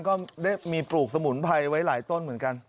ก็ได้มีปลูกสมุนไพรไว้หลายต้นเหมือนกัน